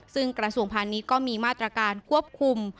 ซึ่งกระส่วนพนิษฐ์ก็มีมาตรการควบคุม